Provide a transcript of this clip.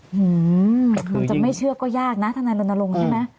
หือหลังจากไม่เชื่อก็ยากนะท่านนายลนทรงใช่ไหม